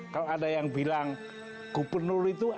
kalau ada yang bilang gubernur itu